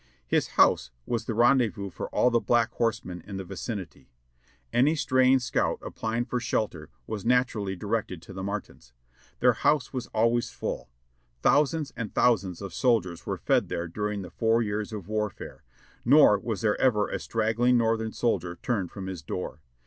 His house was the rendezvous for all the Black Horsemen in the vicinity. Any straying scout applying for shelter was naturally directed to the Martins ; their house was always full ; thousands and thousands of soldiers were fed there during the four years of warfare, nor AN OLD VIRGINIA FARMER IN 1864 669 was there ever a straggling Northern soldier turned from his door.